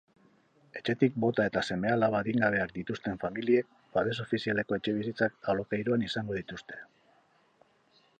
Etxetik bota eta seme-alaba adingabeak dituzten familiek babes ofizialeko etxebizitzak alokairuan izango dituzte.